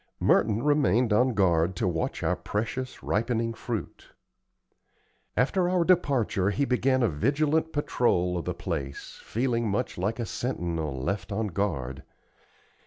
Merton remained on guard to watch our precious ripening fruit. After our departure he began a vigilant patrol of the place, feeling much like a sentinel left on guard.